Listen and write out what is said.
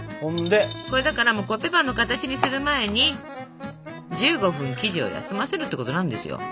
これだからコッペパンの形にする前に１５分生地を休ませるってことなんですよ。